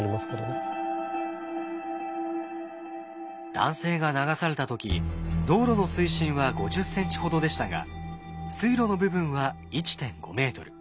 男性が流された時道路の水深は５０ｃｍほどでしたが水路の部分は１．５ｍ。